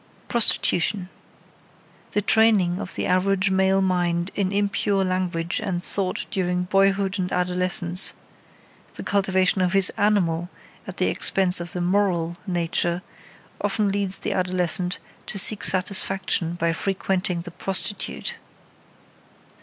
PROSTITUTION The training of the average male mind in impure language and thought during boyhood and adolescence, the cultivation of his animal at the expense of the moral nature, often leads the adolescent to seek satisfaction by frequenting the prostitute.